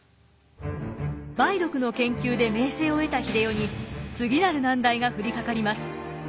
梅毒の研究で名声を得た英世に次なる難題が降りかかります。